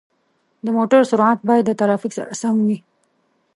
د موټر سرعت باید د ترافیک سره سم وي.